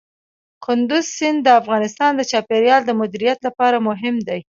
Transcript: کندز سیند د افغانستان د چاپیریال د مدیریت لپاره مهم دی.